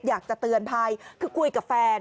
อยากจะเตือนภัยคือคุยกับแฟน